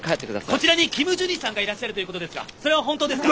こちらにキム・ジュニさんがいらっしゃるということですがそれは本当ですか？